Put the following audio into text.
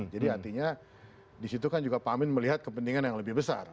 jadi artinya disitu kan juga pak amin melihat kepentingan yang lebih besar